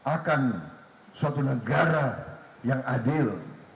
akan suatu negara yang adil